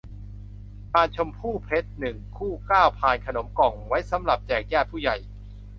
พานชมพู่เพชร หนึ่ง คู่ เก้า พานขนมกล่อง ไว้สำหรับแจกญาติผู้ใหญ่